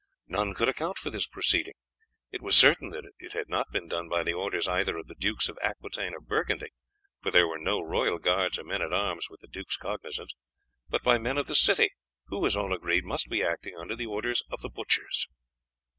None could account for this proceeding. It was certain that it had not been done by the orders either of the Dukes of Aquitaine or Burgundy, for there were no royal guards or men at arms with the duke's cognizance, but by men of the city, who, as all agreed, must be acting under the orders of the butchers.